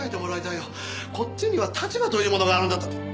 こっちには立場というものがあるんだと。